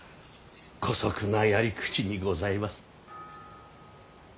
こそくなやり口にございます。